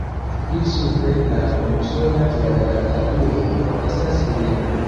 Pli supre la unusola kvadrata turo estas videbla.